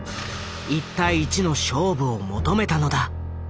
一対一の勝負を求めたのだ。